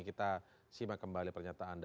kalau misalnya tidak